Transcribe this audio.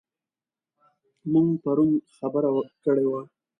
موږ پرون خبره کړې وه.